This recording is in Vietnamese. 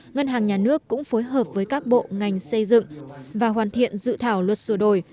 ngân hàng nhà nước cũng phối hợp với các bộ ngành xây dựng và hoàn thiện dự thảo luật sửa đổi